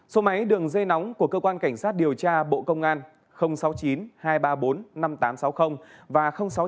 số máy đường dây nóng của cơ quan cảnh sát điều tra bộ công an sáu mươi chín hai trăm ba mươi bốn năm nghìn tám trăm sáu mươi và sáu mươi chín hai trăm ba mươi một một nghìn sáu trăm